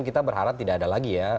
kita berharap tidak ada lagi ya